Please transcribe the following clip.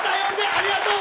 ありがとう！